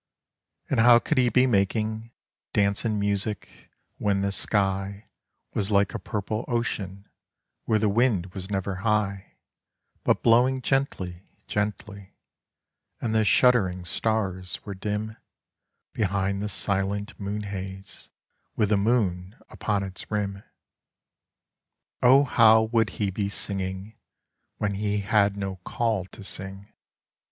And how could he be making dance and music, when the sky Was like a purple ocean, where the wind was never high But blowing gently, gently, and the shuddering stars were dim Behind the silent moon haze with the moon upon its rim ? how would he be singing when he had no call to sing